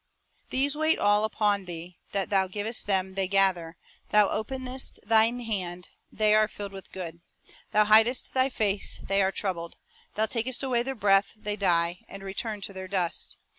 "These wait all upon Thee. ... That Thou givest them they gather; Thou openest Thine hand, they are filled with good. ' Thou hidest Thy face, they are troubled ; Thou takest away their breath, they die, And return to their dust.